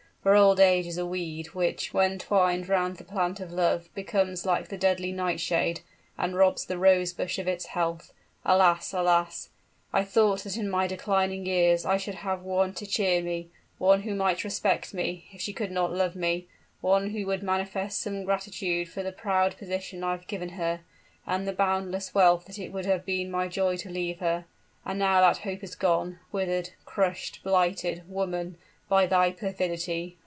For old age is a weed, which, when twined round the plant of love, becomes like the deadly nightshade, and robs the rose bush of its health! Alas! alas! I thought that in my declining years, I should have one to cheer me, one who might respect me, if she could not love me one who would manifest some gratitude for the proud position I have given her and the boundless wealth that it would have been my joy to leave her. And now that hope is gone withered crushed blighted, woman, by thy perfidy!